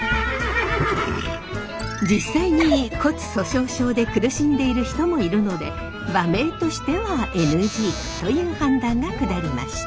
実際に骨粗しょう症で苦しんでいる人もいるので馬名としてはＮＧという判断が下りました。